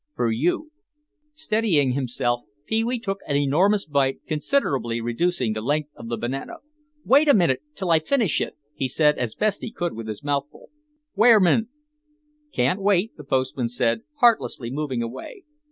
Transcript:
"For you." Steadying himself, Pee wee took an enormous bite, considerably reducing the length of the banana. "Wait a minute till I finish it," he said as best he could with his mouth full. "Waaer mint." "Can't wait," the postman said, heartlessly moving away.